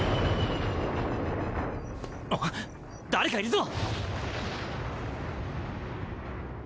あっ誰かいるぞ！